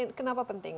ini kenapa penting